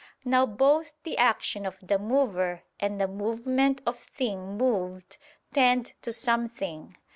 Now both the action of the mover and the movement of thing moved, tend to something.